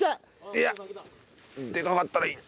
いやでかかったらいい。